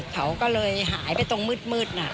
เขาก็เลยหายไปตรงมืดน่ะ